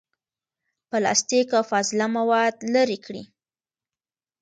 پلاستیک، او فاضله مواد لرې کړي.